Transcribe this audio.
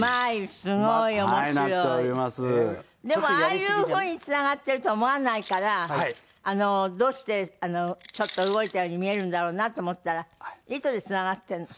でもああいうふうにつながっていると思わないからどうしてちょっと動いたように見えるんだろうなと思ったら糸でつながっているの？